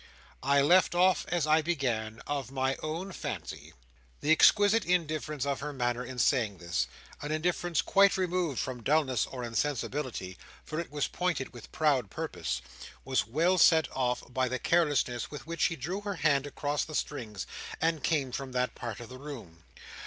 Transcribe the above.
"I left off as I began—of my own fancy." The exquisite indifference of her manner in saying this: an indifference quite removed from dulness or insensibility, for it was pointed with proud purpose: was well set off by the carelessness with which she drew her hand across the strings, and came from that part of the room.